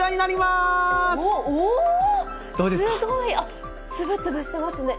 すごい！つぶつぶしてますね。